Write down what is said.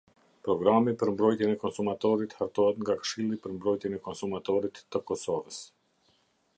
Programi për Mbrojtjen e Konsumatorit hartohet nga Këshilli për mbrojtjen e Konsumatorit të Kosovës.